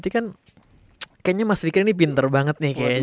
kayaknya mas fikri ini pinter banget